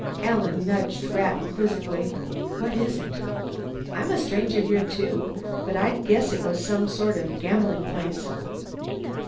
Alan nudged Rat quizzically. "What is it?" "I'm a stranger here too. But I'd guess it was some sort of gambling place."